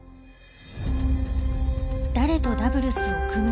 誰とダブルスを組むのか。